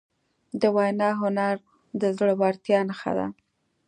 د وینا هنر د زړهورتیا نښه ده.